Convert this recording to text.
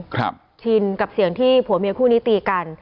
ชินกับเสียงที่ผัวเมียคู่นี้ตีกัน